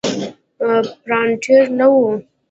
پرنټر نه و.